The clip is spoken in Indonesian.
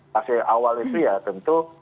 fase awal itu ya tentu